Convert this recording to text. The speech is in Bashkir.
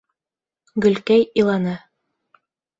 Гөлкәй иланы.